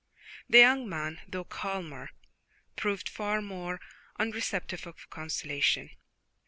The young man, though calmer, proved far more unreceptive of consolation.